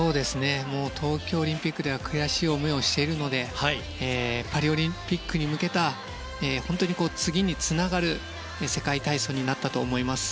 東京オリンピックでは悔しい思いをしているのでパリオリンピックに向けた本当に次につながる世界体操になったと思います。